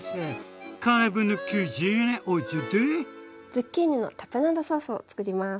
ズッキーニのタプナードソースをつくります。